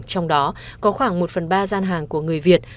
trong đó có khoảng một phần ba gian hàng của người việt